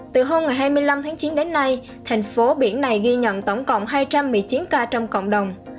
từ hôm hai mươi năm tháng chín đến nay thành phố biển này ghi nhận tổng cộng hai trăm một mươi chín ca trong cộng đồng